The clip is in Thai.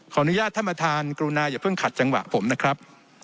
อนุญาตท่านประธานกรุณาอย่าเพิ่งขัดจังหวะผมนะครับ